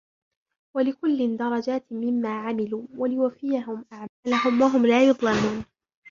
ولكل درجات مما عملوا وليوفيهم أعمالهم وهم لا يظلمون